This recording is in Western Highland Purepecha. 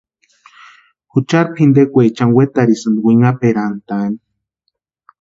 Juchari pʼintekwaechani wetarhisïnti winhaperantani.